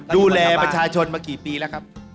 ดูแลประชาชนมากี่ปีแล้วครับ